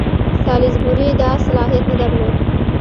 سالیزبوري دا صلاحیت نه درلود.